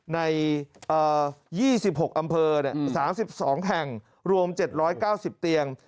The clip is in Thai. ใน๒๖อำเภอ๓๒แห่งรวม๗๙๐เตียง